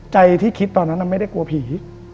ใจที่คิดตอนนั้นไม่ได้กลัวผี